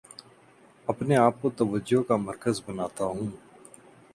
اپنے آپ کو توجہ کا مرکز بناتا ہوں